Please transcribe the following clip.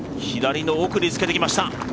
左の奥につけてきました。